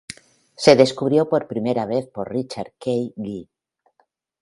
Se descubrió por primera vez por Richard K. Guy.